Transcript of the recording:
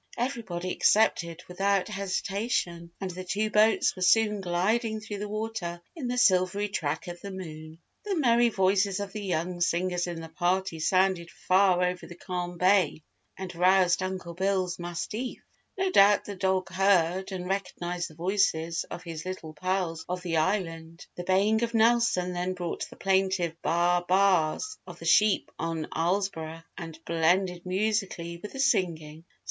Everybody accepted without hesitation and the two boats were soon gliding through the water in the silvery track of the moon. The merry voices of the young singers in the party sounded far over the calm bay and roused Uncle Bill's mastiff. No doubt the dog heard and recognised the voices of his little pals of the Island. The baying of Nelson then brought the plaintive "baa baas" of the sheep on Islesboro and blended musically with the singing.